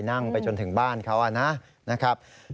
นั่งไปจนถึงบ้านเขานะครับ